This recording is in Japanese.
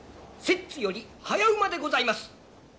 摂津より早馬でございます。